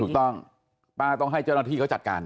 ถูกต้องป้าต้องให้เจ้าหน้าที่เขาจัดการ